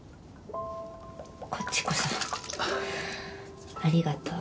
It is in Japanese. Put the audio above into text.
こっちこそありがとう。